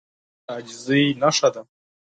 لاسونه د عاجزۍ نښه ده